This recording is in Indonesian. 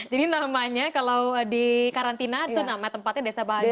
namanya kalau di karantina itu namanya tempatnya desa bahagia